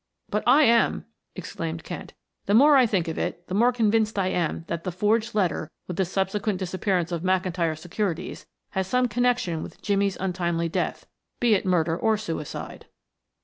"But I am," exclaimed Kent. "The more I think of it, the more convinced I am that the forged letter, with the subsequent disappearance of McIntyre's securities has some connection with Jimmie's untimely death, be it murder or suicide."